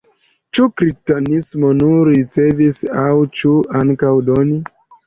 Ĉu kristanismo nur ricevis aŭ ĉu ankaŭ doni?